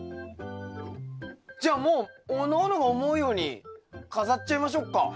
じゃあもうおのおのが思うように飾っちゃいましょっか。